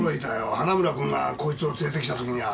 花村君がこいつを連れて来た時には。